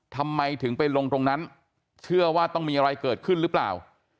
ทำไมถึงไปลงตรงนั้นเชื่อว่าต้องมีอะไรเกิดขึ้นหรือเปล่า